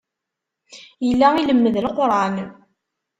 Yella ilemmed Leqran.